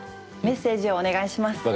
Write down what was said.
メッセージをお願いします。